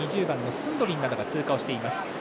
２０番のスンドリンなどが通過しています。